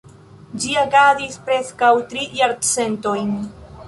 Ĝi agadis preskaŭ tri jarcentojn.